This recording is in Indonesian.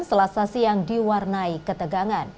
selasa siang diwarnai ketegangan